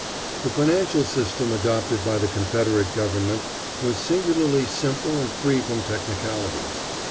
The financial system adopted by the Confederate government was singularly simple and free from technicalities.